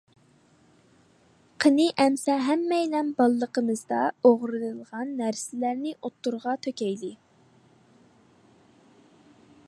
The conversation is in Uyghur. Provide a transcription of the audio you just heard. قېنى ئەمسە ھەممەيلەن بالىلىقىمىزدا ئوغرىلىغان نەرسىلەرنى ئوتتۇرىغا تۆكەيلى!